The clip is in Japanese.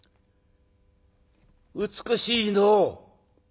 美しいのう。